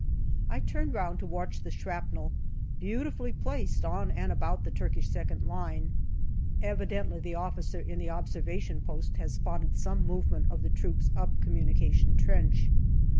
I turn round to watch the shrapnel, beautifully placed on and about the Turkish second line. Evidently the officer in the O.P. has spotted some move ment of the troops up communication trench.